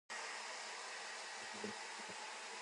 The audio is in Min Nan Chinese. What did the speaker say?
水鬼騙城隍